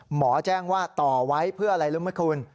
หมอแจ้งว่าต่อไว้เพื่ออะไรรู้ไหมคุณ